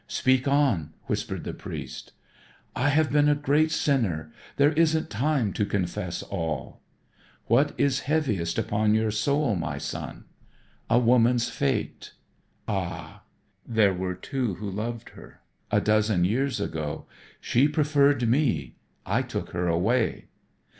"Speak on," whispered the priest. "I have been a great sinner there isn't time to confess all." "What is heaviest upon your soul, my son?" "A woman's fate." "Ah." "There were two who loved her a dozen years ago she preferred me I took her away."